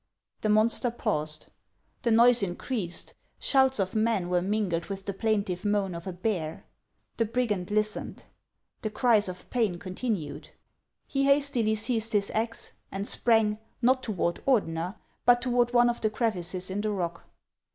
The monster paused. The noise increased ; shouts of men were mingled with the plaintive moan of a bear. The brigand listened. The cries of pain continued. He hastily seized his axe, and sprang, not toward Ordener, but toward one of the crevices in the rock.